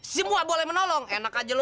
semua boleh menolong enak aja loh